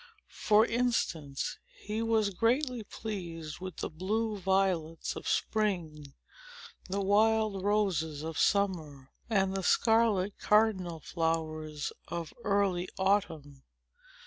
For instance, he was greatly pleased with the blue violets of spring, the wild roses of summer, and the scarlet cardinal flowers of early autumn.